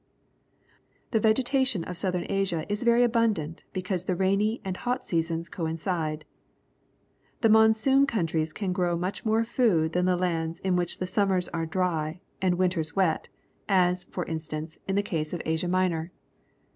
The vegetation of Southern Asia is very abundant because the rainy and hot seasons coincide. The monsoon countries can grow much more food than the lands in which the summers are dry and winters wet, as, for ASIA 205 instance, is the case in Asia Minor.